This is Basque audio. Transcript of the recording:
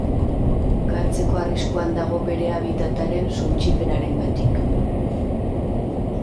Galtzeko arriskuan dago bere habitat-aren suntsipenarengatik.